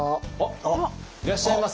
あっいらっしゃいませ。